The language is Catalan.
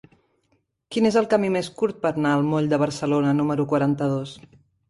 Quin és el camí més curt per anar al moll de Barcelona número quaranta-dos?